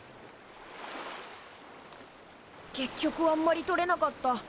結局あんまり採れなかった。